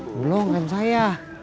belum kan saya